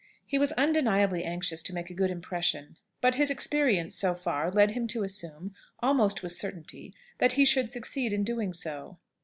He was undeniably anxious to make a good impression. But his experience, so far, led him to assume, almost with certainty, that he should succeed in doing so.